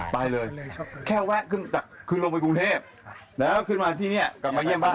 ไปเลยแค่แวะขึ้นจากคือลงไปกรุงเทพแล้วขึ้นมาที่นี่กลับมาเยี่ยมบ้าน